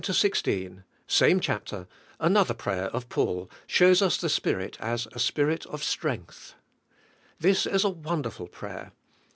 6. Verses 14 16, same chapter, another prayer of Paul, shows us the Spirit as a Spirit of strength^ This is a wonderful prayer.